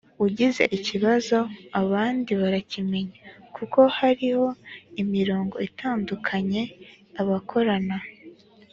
ugize ikibazo abandi barakimenya kuko hariho imirongo itandukanye abakorana